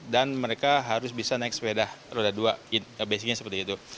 dan mereka harus bisa naik sepeda roda dua basicnya seperti itu